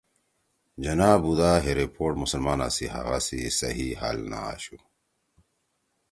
جناح بُودا ہے رپورٹ مسلمانا سی حقآ سی صحیح حل نہ آشُو